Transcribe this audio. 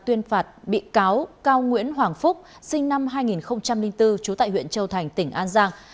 tuyên phạt bị cáo cao nguyễn hoàng phúc sinh năm hai nghìn bốn trú tại huyện châu thành tỉnh an giang